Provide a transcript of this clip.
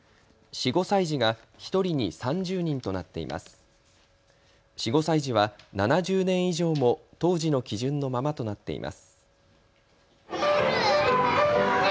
４、５歳児は７０年以上も当時の基準のままとなっています。